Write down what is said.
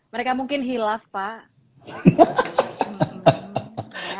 mereka mungkin hilaf pak